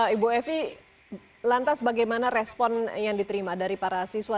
ibu evi lantas bagaimana respon yang diterima dari para siswa